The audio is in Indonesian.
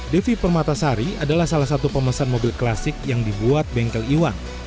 devi permatasari adalah salah satu pemesan mobil klasik yang dibuat bengkel iwan